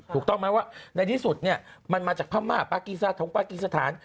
ถูกต้องไหมว่าในที่สุดมันมาจากภามากิษฐาน